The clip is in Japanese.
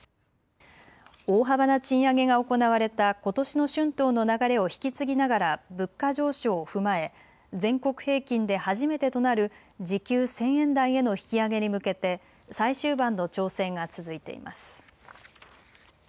大幅な賃上げが行われたことしの春闘の流れを引き継ぎながら物価上昇を踏まえ全国平均で初めてとなる時給１０００円台への引き上げに向けて最終盤の調整が続いています。